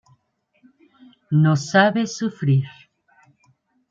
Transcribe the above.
No sabe sufrir".